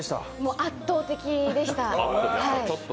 圧倒的でした。